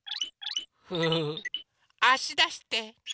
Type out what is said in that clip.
フフフあしだして。